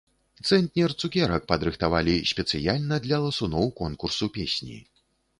Цэнтнер цукерак падрыхтавалі спецыяльна для ласуноў конкурсу песні.